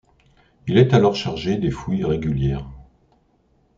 Il est alors chargé des fouilles régulières.